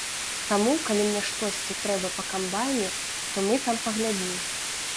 Таму, калі мне штосьці трэба па камбайне, то мы там паглядзім.